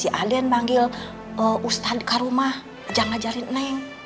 namun bisa ya jika si alin manggil ustadz ke rumah ajang ngajarin neng